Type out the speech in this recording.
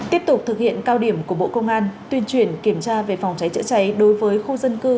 tiếp tục thực hiện cao điểm của bộ công an tuyên truyền kiểm tra về phòng cháy chữa cháy đối với khu dân cư